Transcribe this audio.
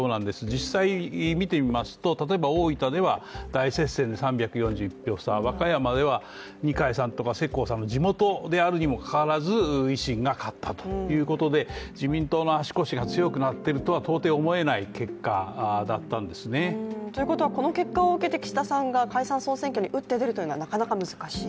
実際見てみますと例えば大分では大接戦で３４１票差、和歌山では二階さんとか世耕さんの地元であるにもかかわらず維新が勝ったということで、自民党の足腰が強くなっているとは到底思えない結果だったんですね。ということはこの結果を受けて岸田さんが解散総選挙に打って出るというのは難しい？